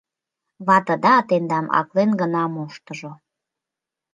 Ватыда тендам аклен гына моштыжо.